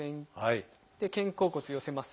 肩甲骨寄せます。